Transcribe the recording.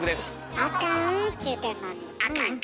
あかんちゅうてんのに。あかんか。